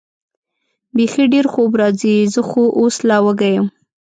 بېخي ډېر خوب راځي، زه خو اوس لا وږی یم.